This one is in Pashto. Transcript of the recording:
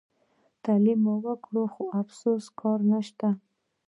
تعلیم مو کړي خو افسوس کار نشته.